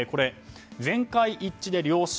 全会一致で了承。